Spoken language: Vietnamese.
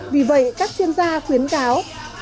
vì vậy các chuyên gia khuyến cáo